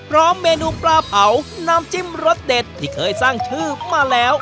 เมนูปลาเผาน้ำจิ้มรสเด็ดที่เคยสร้างชื่อมาแล้ว